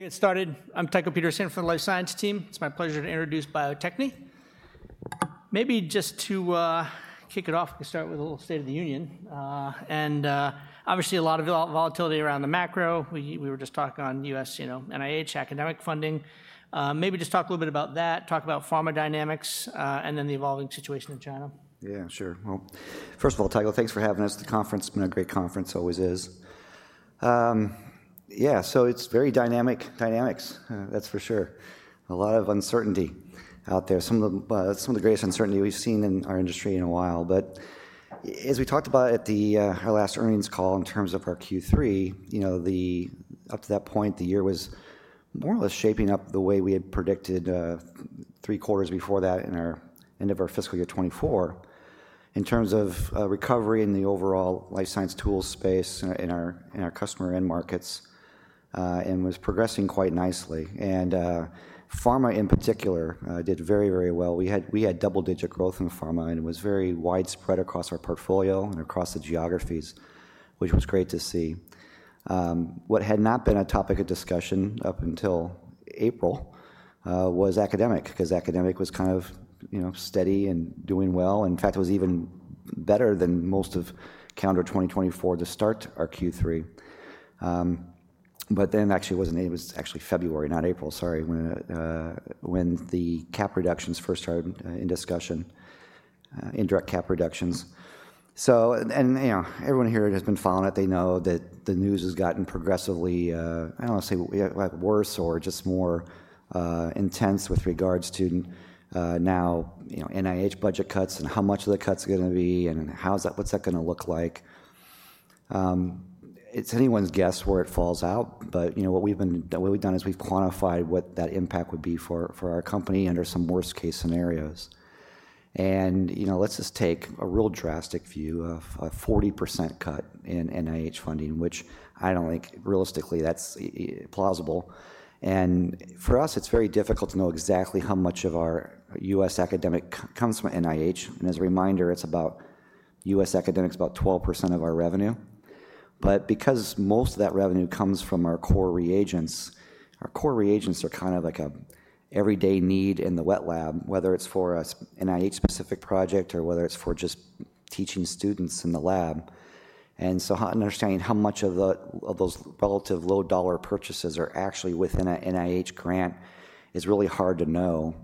Get started. I'm Tycho Peterson from the Life Science Team. It's my pleasure to introduce Bio-Techne. Maybe just to kick it off, we can start with a little State of the Union. Obviously, a lot of volatility around the macro. We were just talking on U.S. NIH academic funding. Maybe just talk a little bit about that, talk about pharma dynamics, and then the evolving situation in China. Yeah, sure. First of all, Tycho, thanks for having us at the conference. It's been a great conference, always is. It's very dynamic. Dynamics, that's for sure. A lot of uncertainty out there. Some of the greatest uncertainty we've seen in our industry in a while. As we talked about at our last earnings call in terms of our Q3, up to that point, the year was more or less shaping up the way we had predicted three quarters before that in the end of our fiscal year 2024 in terms of recovery in the overall life science tools space in our customer end markets and was progressing quite nicely. Pharma in particular did very, very well. We had double-digit growth in pharma, and it was very widespread across our portfolio and across the geographies, which was great to see. What had not been a topic of discussion up until April was academic, because academic was kind of steady and doing well. In fact, it was even better than most of calendar 2024 to start our Q3. Actually, it was actually February, not April, sorry, when the cap reductions first started in discussion, indirect cap reductions. Everyone here has been following it. They know that the news has gotten progressively, I do not want to say worse or just more intense with regards to now NIH budget cuts and how much of the cuts are going to be and what is that going to look like. It is anyone's guess where it falls out. What we have done is we have quantified what that impact would be for our company under some worst-case scenarios. Let's just take a real drastic view of a 40% cut in NIH funding, which I do not think realistically is plausible. For us, it's very difficult to know exactly how much of our US academic comes from NIH. As a reminder, US academics is about 12% of our revenue. Because most of that revenue comes from our core reagents, our core reagents are kind of like an everyday need in the wet lab, whether it's for an NIH-specific project or whether it's for just teaching students in the lab. Understanding how much of those relative low-dollar purchases are actually within an NIH grant is really hard to know.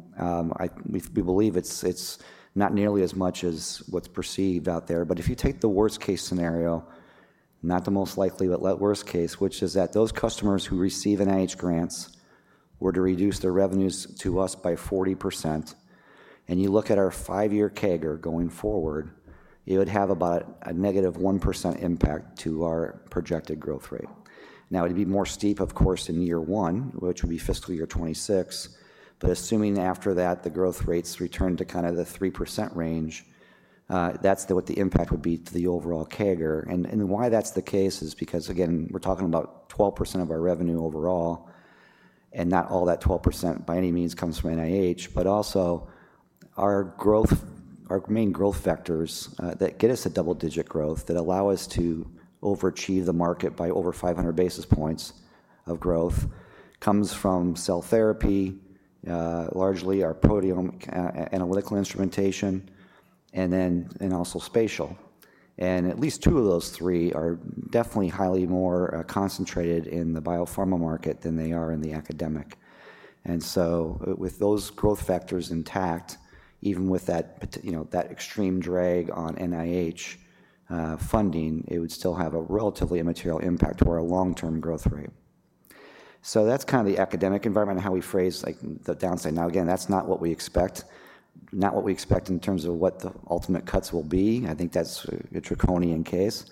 We believe it's not nearly as much as what's perceived out there. If you take the worst-case scenario, not the most likely, but worst case, which is that those customers who receive NIH grants were to reduce their revenues to us by 40%, and you look at our five-year CAGR going forward, it would have about a negative 1% impact to our projected growth rate. It would be more steep, of course, in year one, which would be fiscal year 2026. Assuming after that the growth rates return to kind of the 3% range, that's what the impact would be to the overall CAGR. Why that's the case is because, again, we're talking about 12% of our revenue overall, and not all that 12% by any means comes from NIH. Also, our main growth factors that get us a double-digit growth that allow us to overachieve the market by over 500 basis points of growth comes from cell therapy, largely our proteome analytical instrumentation, and also spatial. At least two of those three are definitely highly more concentrated in the biopharma market than they are in the academic. With those growth factors intact, even with that extreme drag on NIH funding, it would still have a relatively immaterial impact to our long-term growth rate. That is kind of the academic environment and how we phrase the downside. Now, again, that is not what we expect, not what we expect in terms of what the ultimate cuts will be. I think that is a draconian case.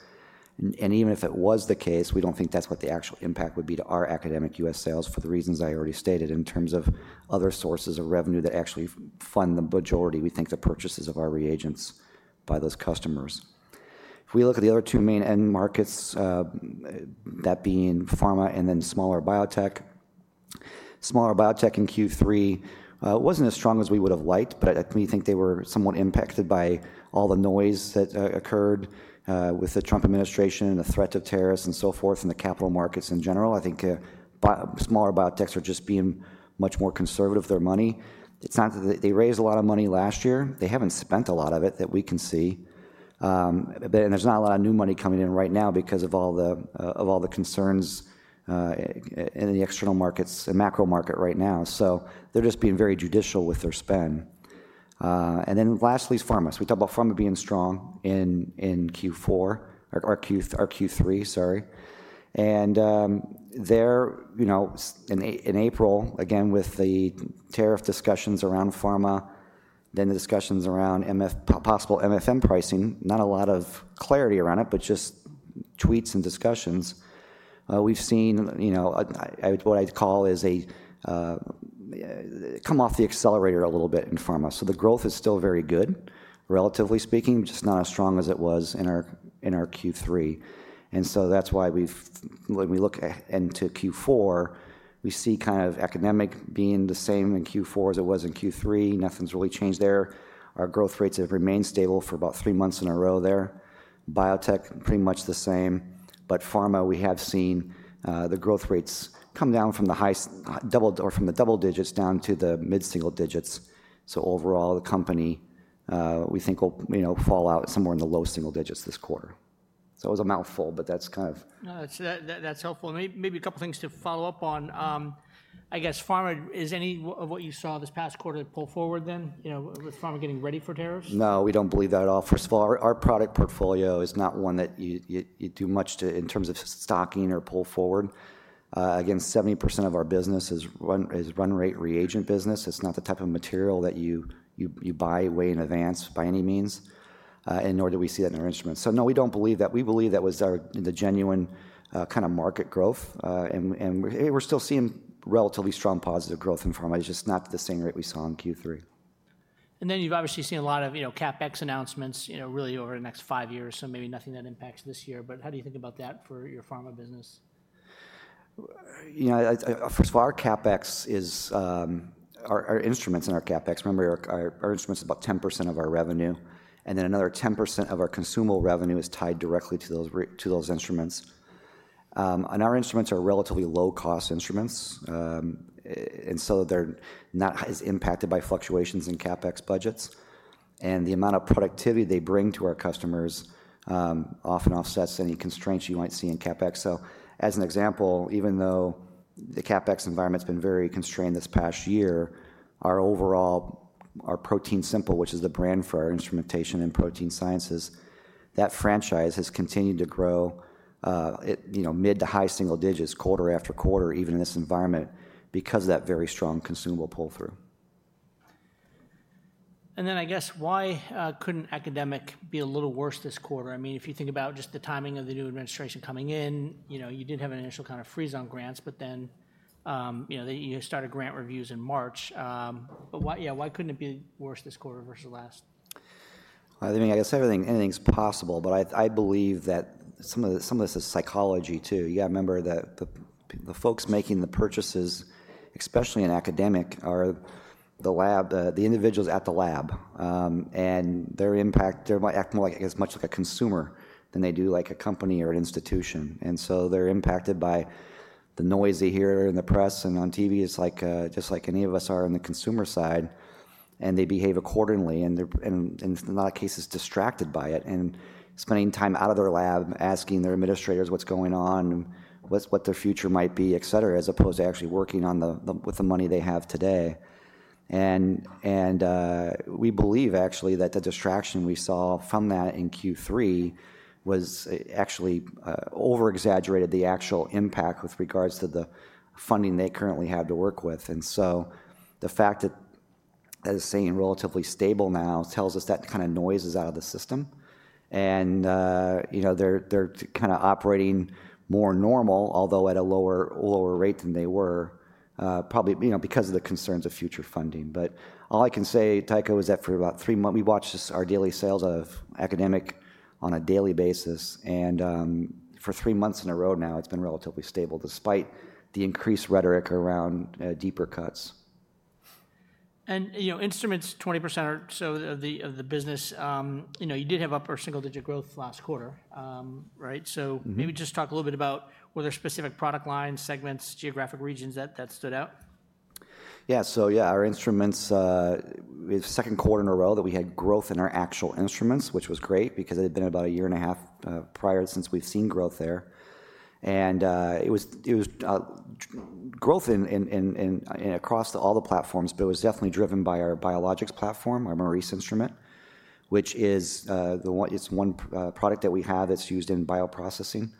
Even if it was the case, we do not think that is what the actual impact would be to our academic U.S. sales for the reasons I already stated in terms of other sources of revenue that actually fund the majority, we think, of the purchases of our reagents by those customers. If we look at the other two main end markets, that being pharma and then smaller biotech. Smaller biotech in Q3 was not as strong as we would have liked, but we think they were somewhat impacted by all the noise that occurred with the Trump administration and the threat of tariffs and so forth in the capital markets in general. I think smaller biotechs are just being much more conservative with their money. It is not that they raised a lot of money last year. They have not spent a lot of it that we can see. There is not a lot of new money coming in right now because of all the concerns in the external markets and macro market right now. They are just being very judicial with their spend. Lastly, pharma. We talked about pharma being strong in Q4, or Q3, sorry. In April, again, with the tariff discussions around pharma, then the discussions around possible MFM pricing, not a lot of clarity around it, but just tweets and discussions, we have seen what I would call a come off the accelerator a little bit in pharma. The growth is still very good, relatively speaking, just not as strong as it was in our Q3. That is why when we look into Q4, we see kind of academic being the same in Q4 as it was in Q3. Nothing has really changed there. Our growth rates have remained stable for about three months in a row there. Biotech, pretty much the same. Pharma, we have seen the growth rates come down from the double digits down to the mid-single digits. Overall, the company, we think, will fall out somewhere in the low single digits this quarter. It was a mouthful, but that's kind of. No, that's helpful. Maybe a couple of things to follow up on. I guess pharma, is any of what you saw this past quarter pull forward then with pharma getting ready for tariffs? No, we don't believe that at all. First of all, our product portfolio is not one that you do much in terms of stocking or pull forward. Again, 70% of our business is run rate reagent business. It's not the type of material that you buy way in advance by any means, and nor do we see that in our instruments. No, we don't believe that. We believe that was the genuine kind of market growth. We are still seeing relatively strong positive growth in pharma. It's just not the same rate we saw in Q3. You've obviously seen a lot of CapEx announcements really over the next five years, so maybe nothing that impacts this year. How do you think about that for your pharma business? First of all, our CapEx is our instruments in our CapEx. Remember, our instruments are about 10% of our revenue. Then another 10% of our consumable revenue is tied directly to those instruments. Our instruments are relatively low-cost instruments, and they are not as impacted by fluctuations in CapEx budgets. The amount of productivity they bring to our customers often offsets any constraints you might see in CapEx. For example, even though the CapEx environment has been very constrained this past year, overall, our ProteinSimple, which is the brand for our instrumentation and protein sciences, that franchise has continued to grow mid to high single digits quarter after quarter, even in this environment, because of that very strong consumable pull-through. I guess why could not academic be a little worse this quarter? I mean, if you think about just the timing of the new administration coming in, you did have an initial kind of freeze on grants, but then you started grant reviews in March. Yeah, why could not it be worse this quarter versus last? I mean, I guess anything's possible. I believe that some of this is psychology too. You got to remember that the folks making the purchases, especially in academic, are the individuals at the lab. They're impacted, they're more like as much like a consumer than they do like a company or an institution. They're impacted by the noise they hear in the press and on TV, just like any of us are on the consumer side. They behave accordingly and in a lot of cases distracted by it and spending time out of their lab asking their administrators what's going on, what their future might be, et cetera, as opposed to actually working with the money they have today. We believe actually that the distraction we saw from that in Q3 was actually overexaggerated, the actual impact with regards to the funding they currently have to work with. The fact that it's staying relatively stable now tells us that kind of noise is out of the system. They're kind of operating more normal, although at a lower rate than they were, probably because of the concerns of future funding. All I can say, Tycho, is that for about three months, we watched our daily sales of academic on a daily basis. For three months in a row now, it's been relatively stable despite the increased rhetoric around deeper cuts. Instruments, 20% or so of the business, you did have upper single-digit growth last quarter, right? Maybe just talk a little bit about were there specific product lines, segments, geographic regions that stood out? Yeah, so yeah, our instruments, it was the second quarter in a row that we had growth in our actual instruments, which was great because it had been about a year and a half prior since we've seen growth there. It was growth across all the platforms, but it was definitely driven by our Biologix platform, our Maurice instrument, which is one product that we have that's used in bioprocessing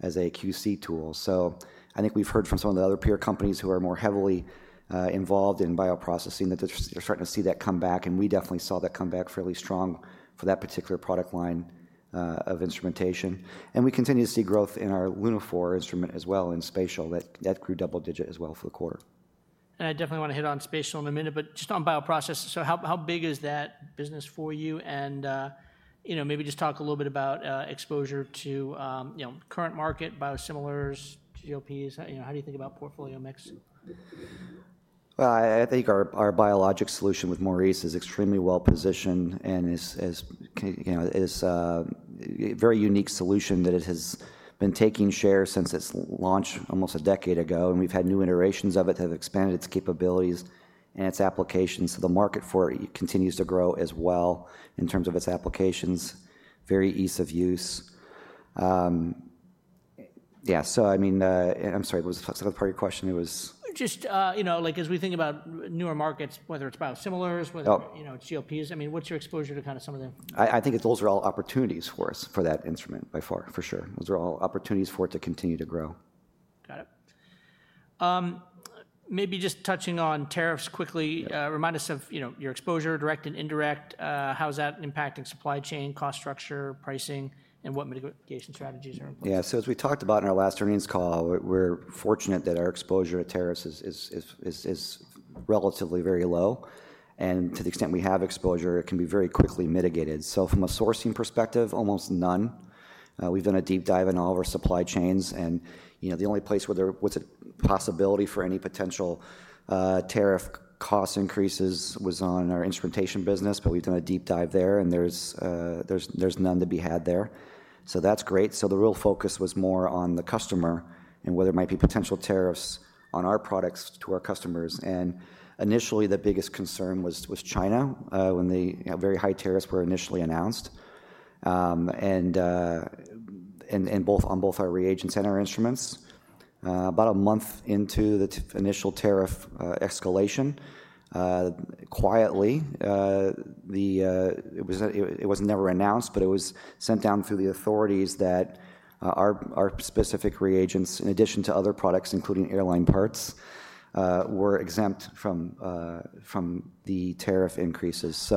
as a QC tool. I think we've heard from some of the other peer companies who are more heavily involved in bioprocessing that they're starting to see that come back. We definitely saw that come back fairly strong for that particular product line of instrumentation. We continue to see growth in our Lunaphore instrument as well in spatial. That grew double digit as well for the quarter. I definitely want to hit on spatial in a minute, but just on bioprocess, so how big is that business for you? Maybe just talk a little bit about exposure to current market, biosimilars, GOPs. How do you think about portfolio mix? I think our Biologix solution with Maurice is extremely well positioned and is a very unique solution that it has been taking share since its launch almost a decade ago. We have had new iterations of it that have expanded its capabilities and its applications. The market for it continues to grow as well in terms of its applications, very ease of use. Yeah, I mean, I'm sorry, what was the second part of your question? It was. Just like as we think about newer markets, whether it's biosimilars, whether it's GOPs, I mean, what's your exposure to kind of some of the. I think those are all opportunities for us for that instrument by far, for sure. Those are all opportunities for it to continue to grow. Got it. Maybe just touching on tariffs quickly, remind us of your exposure, direct and indirect. How is that impacting supply chain, cost structure, pricing, and what mitigation strategies are in place? Yeah, as we talked about in our last earnings call, we're fortunate that our exposure to tariffs is relatively very low. To the extent we have exposure, it can be very quickly mitigated. From a sourcing perspective, almost none. We've done a deep dive in all of our supply chains. The only place where there was a possibility for any potential tariff cost increases was on our instrumentation business, but we've done a deep dive there, and there's none to be had there. That's great. The real focus was more on the customer and whether there might be potential tariffs on our products to our customers. Initially, the biggest concern was China when the very high tariffs were initially announced on both our reagents and our instruments. About a month into the initial tariff escalation, quietly, it was never announced, but it was sent down through the authorities that our specific reagents, in addition to other products, including airline parts, were exempt from the tariff increases.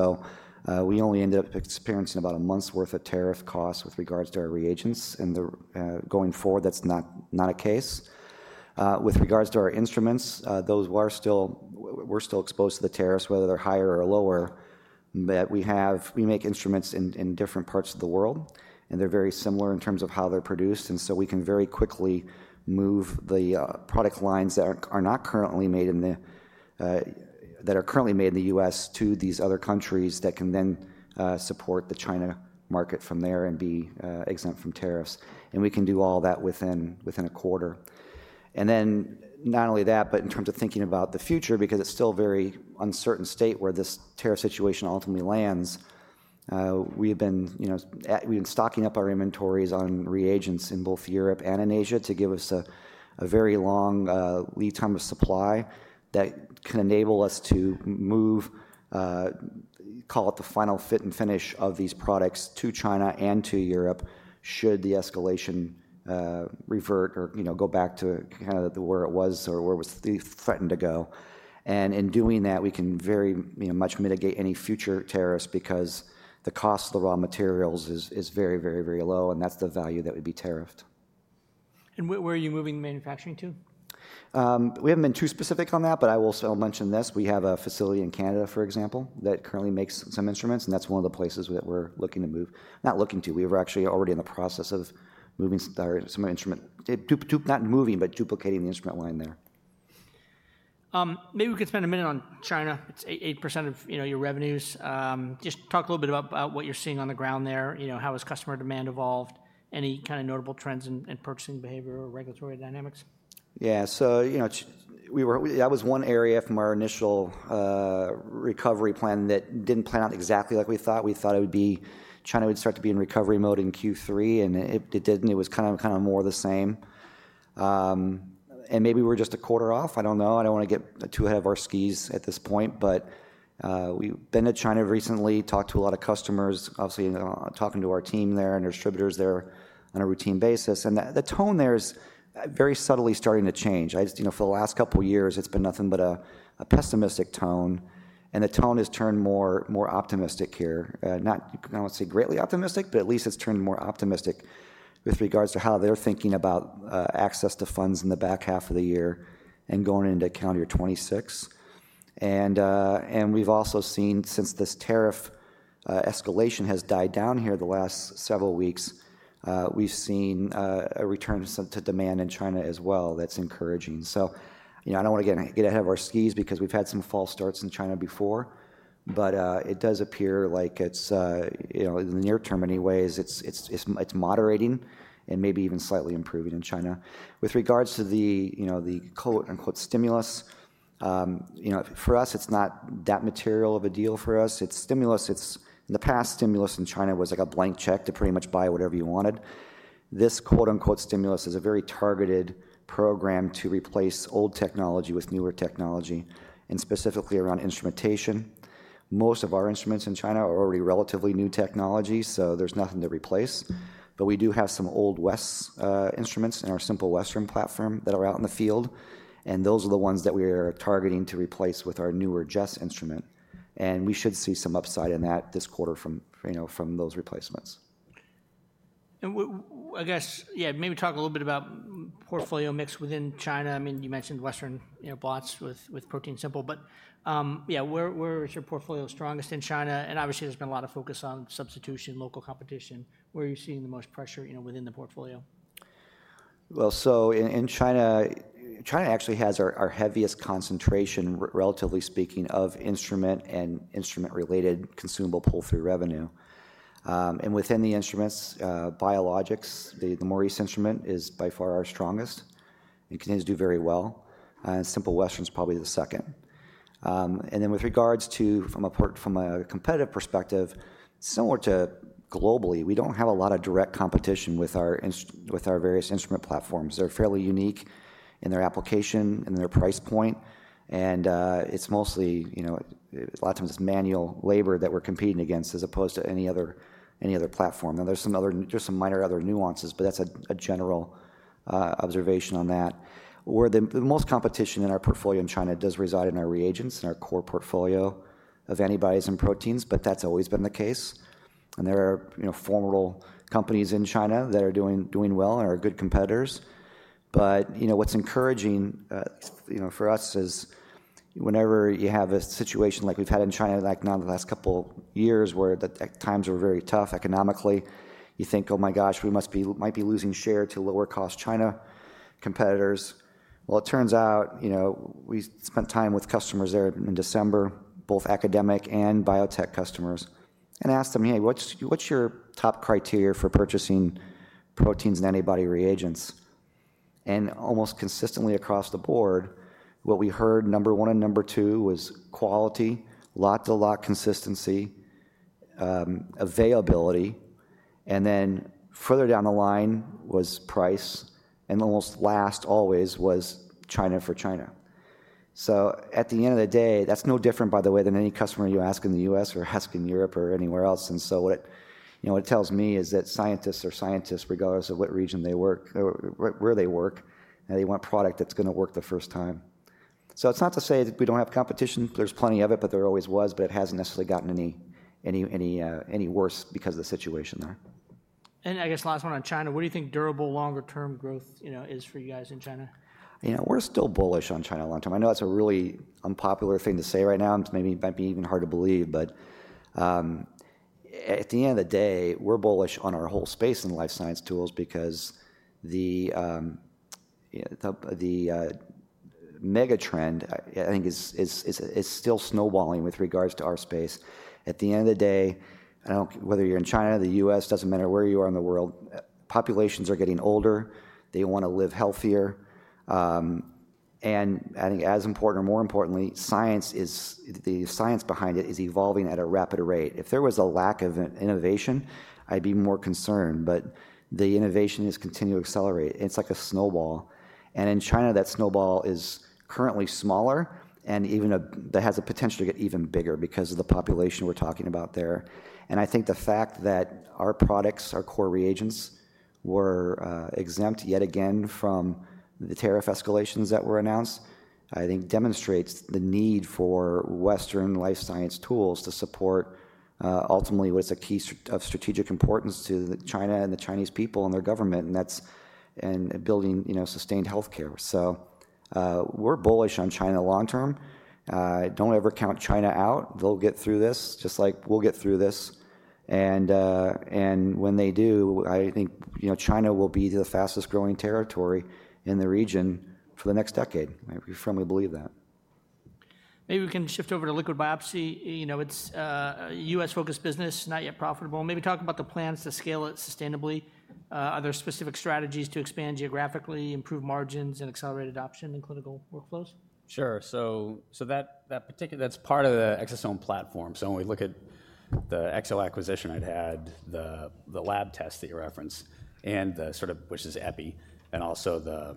We only ended up experiencing about a month's worth of tariff costs with regards to our reagents. Going forward, that's not a case. With regards to our instruments, we're still exposed to the tariffs, whether they're higher or lower. We make instruments in different parts of the world, and they're very similar in terms of how they're produced. We can very quickly move the product lines that are not currently made in the U.S. to these other countries that can then support the China market from there and be exempt from tariffs. We can do all that within a quarter. In terms of thinking about the future, because it's still a very uncertain state where this tariff situation ultimately lands, we've been stocking up our inventories on reagents in both Europe and in Asia to give us a very long lead time of supply that can enable us to move, call it the final fit and finish of these products to China and to Europe should the escalation revert or go back to kind of where it was or where it was threatened to go. In doing that, we can very much mitigate any future tariffs because the cost of the raw materials is very, very, very low, and that's the value that would be tariffed. Where are you moving the manufacturing to? We haven't been too specific on that, but I will also mention this. We have a facility in Canada, for example, that currently makes some instruments, and that's one of the places that we're looking to move, not looking to. We were actually already in the process of moving some of the instrument, not moving, but duplicating the instrument line there. Maybe we could spend a minute on China. It's 8% of your revenues. Just talk a little bit about what you're seeing on the ground there. How has customer demand evolved? Any kind of notable trends in purchasing behavior or regulatory dynamics? Yeah, so that was one area from our initial recovery plan that did not plan out exactly like we thought. We thought China would start to be in recovery mode in Q3, and it did not. It was kind of more the same. Maybe we are just a quarter off. I do not know. I do not want to get too ahead of our skis at this point, but we have been to China recently, talked to a lot of customers, obviously talking to our team there and our distributors there on a routine basis. The tone there is very subtly starting to change. For the last couple of years, it has been nothing but a pessimistic tone. The tone has turned more optimistic here. Not, I won't say greatly optimistic, but at least it's turned more optimistic with regards to how they're thinking about access to funds in the back half of the year and going into calendar year 2026. We've also seen since this tariff escalation has died down here the last several weeks, we've seen a return to demand in China as well that's encouraging. I don't want to get ahead of our skis because we've had some false starts in China before, but it does appear like in the near term anyways, it's moderating and maybe even slightly improving in China. With regards to the quote-unquote stimulus, for us, it's not that material of a deal for us. It's stimulus. In the past, stimulus in China was like a blank check to pretty much buy whatever you wanted. This quote-unquote stimulus is a very targeted program to replace old technology with newer technology, and specifically around instrumentation. Most of our instruments in China are already relatively new technology, so there is nothing to replace. We do have some old Wes instruments in our Simple Western platform that are out in the field. Those are the ones that we are targeting to replace with our newer Jess instrument. We should see some upside in that this quarter from those replacements. I guess, yeah, maybe talk a little bit about portfolio mix within China. I mean, you mentioned Western blots with ProteinSimple, but yeah, where is your portfolio strongest in China? I mean, obviously, there's been a lot of focus on substitution, local competition. Where are you seeing the most pressure within the portfolio? In China, China actually has our heaviest concentration, relatively speaking, of instrument and instrument-related consumable pull-through revenue. Within the instruments, Biologix, the Maurice instrument is by far our strongest and continues to do very well. Simple Western is probably the second. With regards to, from a competitive perspective, similar to globally, we do not have a lot of direct competition with our various instrument platforms. They are fairly unique in their application and their price point. It is mostly, a lot of times it is manual labor that we are competing against as opposed to any other platform. There are some minor other nuances, but that is a general observation on that. Where the most competition in our portfolio in China does reside is in our reagents and our core portfolio of antibodies and proteins, but that has always been the case. There are formal companies in China that are doing well and are good competitors. What's encouraging for us is whenever you have a situation like we've had in China in the last couple of years where the times were very tough economically, you think, "Oh my gosh, we might be losing share to lower-cost China competitors." It turns out we spent time with customers there in December, both academic and biotech customers, and asked them, "Hey, what's your top criteria for purchasing proteins and antibody reagents?" Almost consistently across the board, what we heard, number one and number two was quality, lot-to-lot consistency, availability. Further down the line was price. Almost last always was China for China. At the end of the day, that's no different, by the way, than any customer you ask in the U.S. or ask in Europe or anywhere else. What it tells me is that scientists are scientists, regardless of what region they work, where they work, and they want product that's going to work the first time. It's not to say that we don't have competition. There's plenty of it, but there always was, but it hasn't necessarily gotten any worse because of the situation there. I guess last one on China, what do you think durable longer-term growth is for you guys in China? We're still bullish on China long-term. I know that's a really unpopular thing to say right now. It might be even hard to believe. At the end of the day, we're bullish on our whole space in life science tools because the mega trend, I think, is still snowballing with regards to our space. At the end of the day, whether you're in China, the U.S., it doesn't matter where you are in the world, populations are getting older. They want to live healthier. I think as important or more importantly, the science behind it is evolving at a rapid rate. If there was a lack of innovation, I'd be more concerned. The innovation is continuing to accelerate. It's like a snowball. In China, that snowball is currently smaller and even has a potential to get even bigger because of the population we're talking about there. I think the fact that our products, our core reagents, were exempt yet again from the tariff escalations that were announced, I think demonstrates the need for Western life science tools to support ultimately what is a key of strategic importance to China and the Chinese people and their government, and building sustained healthcare. We are bullish on China long-term. Do not ever count China out. They will get through this, just like we will get through this. When they do, I think China will be the fastest-growing territory in the region for the next decade. We firmly believe that. Maybe we can shift over to liquid biopsy. It's a U.S.-focused business, not yet profitable. Maybe talk about the plans to scale it sustainably. Are there specific strategies to expand geographically, improve margins, and accelerate adoption in clinical workflows? Sure. That's part of the Exosome platform. When we look at the Excel acquisition I'd had, the lab test that you referenced, which is EPI, and also the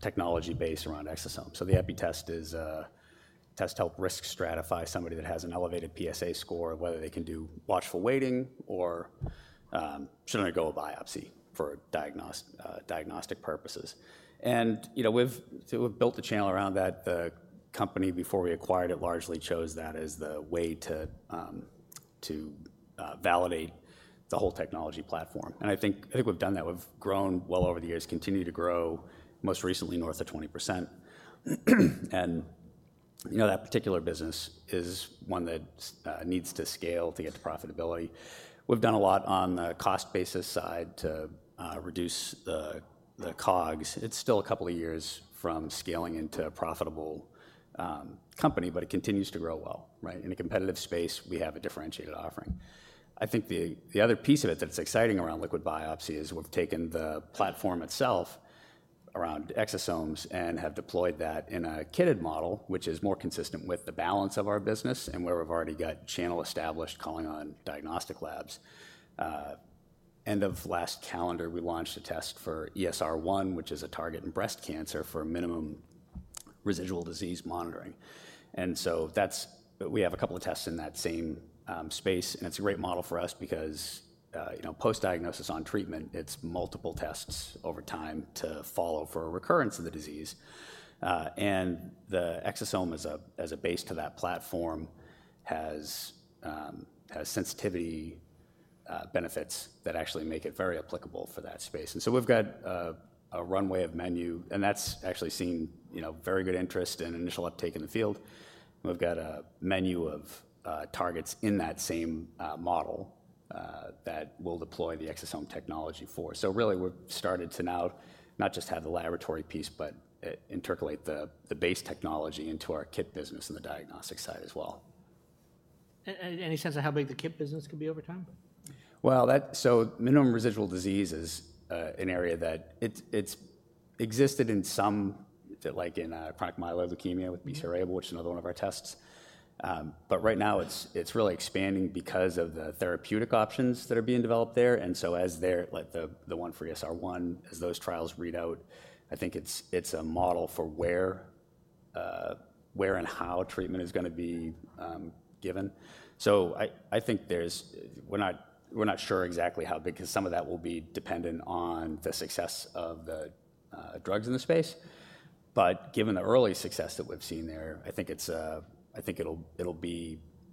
technology base around Exosome. The EPI test helps risk stratify somebody that has an elevated PSA score of whether they can do watchful waiting or shouldn't undergo a biopsy for diagnostic purposes. We've built a channel around that. The company, before we acquired it, largely chose that as the way to validate the whole technology platform. I think we've done that. We've grown well over the years, continued to grow, most recently north of 20%. That particular business is one that needs to scale to get to profitability. We've done a lot on the cost basis side to reduce the COGS. It's still a couple of years from scaling into a profitable company, but it continues to grow well. In a competitive space, we have a differentiated offering. I think the other piece of it that's exciting around liquid biopsy is we've taken the platform itself around Exosomes and have deployed that in a kitted model, which is more consistent with the balance of our business and where we've already got channel established calling on diagnostic labs. End of last calendar, we launched a test for ESR1, which is a target in breast cancer for minimum residual disease monitoring. We have a couple of tests in that same space. It's a great model for us because post-diagnosis on treatment, it's multiple tests over time to follow for recurrence of the disease. The Exosome as a base to that platform has sensitivity benefits that actually make it very applicable for that space. We have a runway of menu, and that's actually seen very good interest and initial uptake in the field. We have a menu of targets in that same model that we'll deploy the Exosome technology for. Really, we've started to now not just have the laboratory piece, but interpolate the base technology into our kit business and the diagnostic side as well. Any sense of how big the kit business could be over time? Minimum residual disease is an area that has existed in some, like in chronic myeloid leukemia with BCR-ABL, which is another one of our tests. Right now, it is really expanding because of the therapeutic options that are being developed there. As the one for ESR1, as those trials read out, I think it is a model for where and how treatment is going to be given. I think we are not sure exactly how big because some of that will be dependent on the success of the drugs in the space. Given the early success that we have seen there, I think it will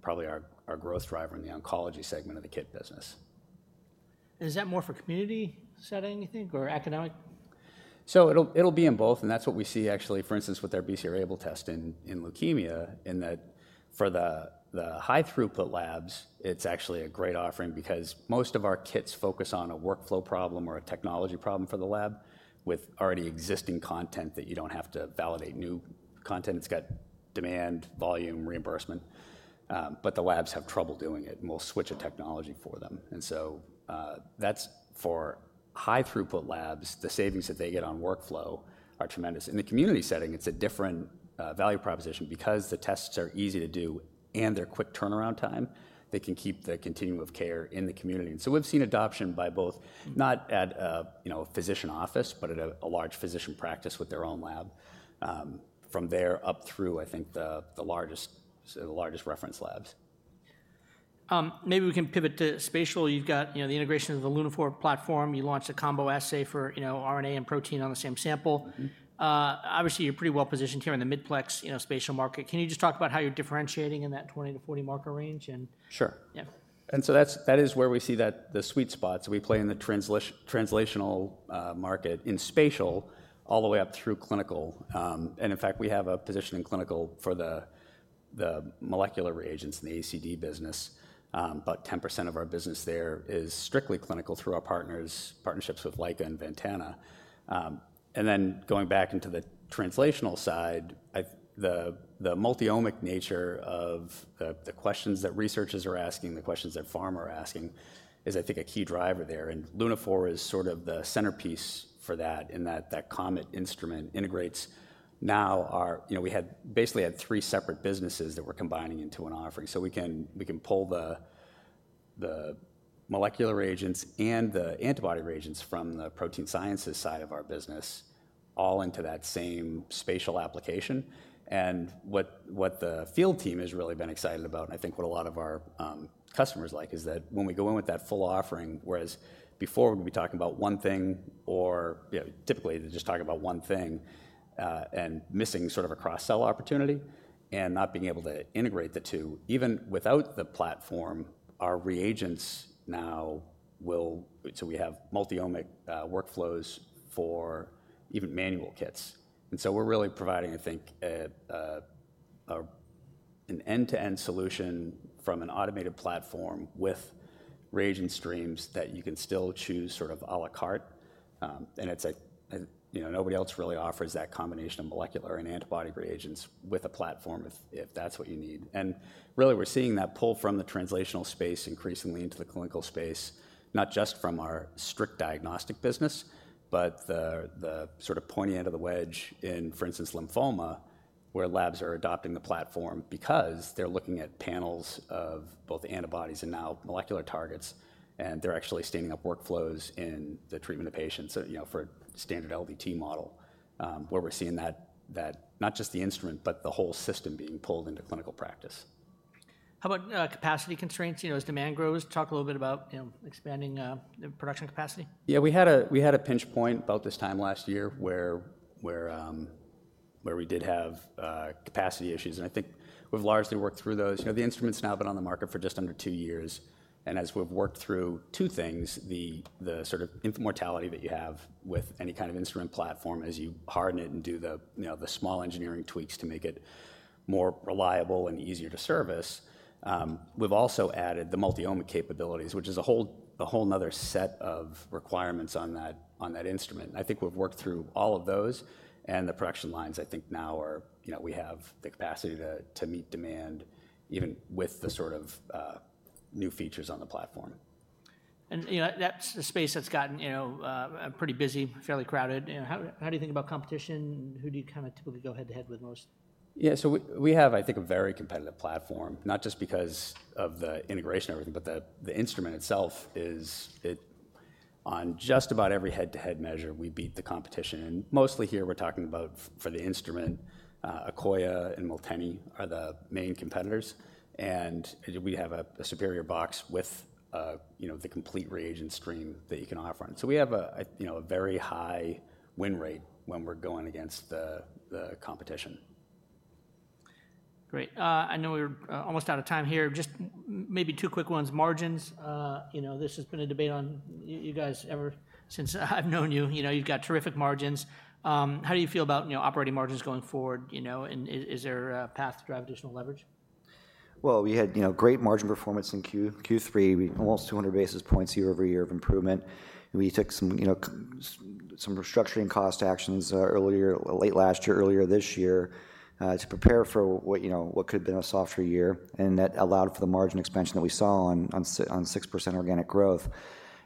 probably be our growth driver in the oncology segment of the kit business. Is that more for community setting, you think, or academic? It'll be in both. That's what we see actually, for instance, with our BCR-ABL test in leukemia, in that for the high-throughput labs, it's actually a great offering because most of our kits focus on a workflow problem or a technology problem for the lab with already existing content that you don't have to validate new content. It's got demand, volume, reimbursement. The labs have trouble doing it, and we'll switch a technology for them. That's for high-throughput labs. The savings that they get on workflow are tremendous. In the community setting, it's a different value proposition because the tests are easy to do and they're quick turnaround time. They can keep the continuum of care in the community. We've seen adoption by both, not at a physician office, but at a large physician practice with their own lab from there up through, I think, the largest reference labs. Maybe we can pivot to spatial. You've got the integration of the Lunaphore platform. You launched a combo assay for RNA and protein on the same sample. Obviously, you're pretty well positioned here in the mid-plex spatial market. Can you just talk about how you're differentiating in that 20-40 marker range? Sure. That is where we see the sweet spots. We play in the translational market in spatial all the way up through clinical. In fact, we have a position in clinical for the molecular reagents in the ACD business. About 10% of our business there is strictly clinical through our partnerships with Leica and Ventana. Going back into the translational side, the multi-omic nature of the questions that researchers are asking, the questions that pharma are asking is, I think, a key driver there. Lunaphore is sort of the centerpiece for that in that the COMET instrument integrates now our, we had basically three separate businesses that we are combining into one offering. We can pull the molecular reagents and the antibody reagents from the protein sciences side of our business all into that same spatial application. What the field team has really been excited about, and I think what a lot of our customers like, is that when we go in with that full offering, whereas before we'd be talking about one thing or typically just talking about one thing and missing sort of a cross-sell opportunity and not being able to integrate the two, even without the platform, our reagents now will, so we have multi-omic workflows for even manual kits. We are really providing, I think, an end-to-end solution from an automated platform with reagent streams that you can still choose sort of à la carte. Nobody else really offers that combination of molecular and antibody reagents with a platform if that's what you need. Really, we're seeing that pull from the translational space increasingly into the clinical space, not just from our strict diagnostic business, but the sort of pointy end of the wedge in, for instance, lymphoma, where labs are adopting the platform because they're looking at panels of both antibodies and now molecular targets, and they're actually standing up workflows in the treatment of patients for a standard LDT model, where we're seeing that not just the instrument, but the whole system being pulled into clinical practice. How about capacity constraints? As demand grows, talk a little bit about expanding the production capacity. Yeah, we had a pinch point about this time last year where we did have capacity issues. I think we've largely worked through those. The instrument's now been on the market for just under two years. As we've worked through two things, the sort of infant mortality that you have with any kind of instrument platform as you harden it and do the small engineering tweaks to make it more reliable and easier to service, we've also added the multi-omic capabilities, which is a whole nother set of requirements on that instrument. I think we've worked through all of those. The production lines, I think now we have the capacity to meet demand even with the sort of new features on the platform. That's a space that's gotten pretty busy, fairly crowded. How do you think about competition? Who do you kind of typically go head-to-head with most? Yeah, so we have, I think, a very competitive platform, not just because of the integration of everything, but the instrument itself is on just about every head-to-head measure, we beat the competition. Mostly here, we're talking about for the instrument, Akoya and Miltenyi are the main competitors. We have a superior box with the complete reagent stream that you can offer on. We have a very high win rate when we're going against the competition. Great. I know we're almost out of time here. Just maybe two quick ones. Margins. This has been a debate on you guys ever since I've known you. You've got terrific margins. How do you feel about operating margins going forward? Is there a path to drive additional leverage? We had great margin performance in Q3, almost 200 basis points year over year of improvement. We took some restructuring cost actions late last year, earlier this year to prepare for what could have been a softer year. That allowed for the margin expansion that we saw on 6% organic growth.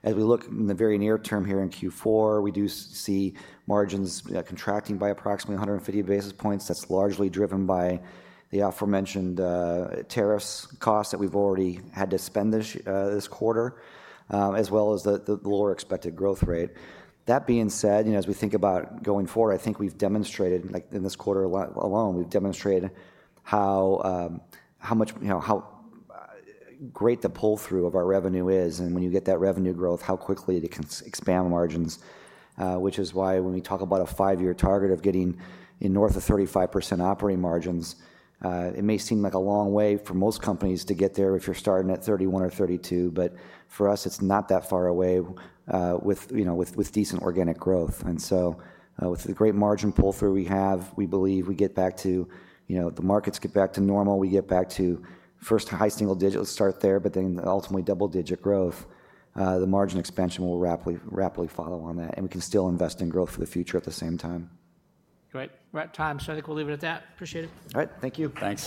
As we look in the very near term here in Q4, we do see margins contracting by approximately 150 basis points. That is largely driven by the aforementioned tariffs costs that we have already had to spend this quarter, as well as the lower expected growth rate. That being said, as we think about going forward, I think we have demonstrated in this quarter alone, we have demonstrated how great the pull-through of our revenue is. When you get that revenue growth, how quickly it can expand margins, which is why when we talk about a five-year target of getting north of 35% operating margins, it may seem like a long way for most companies to get there if you're starting at 31% or 32%. For us, it's not that far away with decent organic growth. With the great margin pull-through we have, we believe we get back to the markets get back to normal. We get back to first high single digits, start there, but then ultimately double-digit growth. The margin expansion will rapidly follow on that. We can still invest in growth for the future at the same time. Great. Right time. I think we'll leave it at that. Appreciate it. All right. Thank you. Thanks.